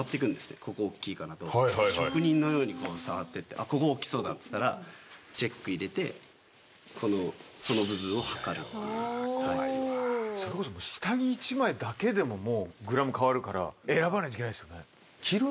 ここ大きいかなとか、職人のように触ってて、ここ大きそうだっていったら、チェック入れて、その部分を測るそれこそ下着１枚だけでもも選ばないといけないですよね。